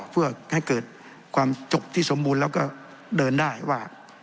เพื่อให้เกิดความจบที่สมบูรณ์แล้วก็เดินได้ว่า